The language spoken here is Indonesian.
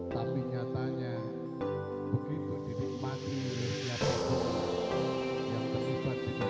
tapi nyatanya begitu didikmati